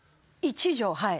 はい。